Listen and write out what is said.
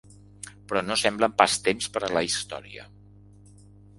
Però no semblen pas temps per a la història.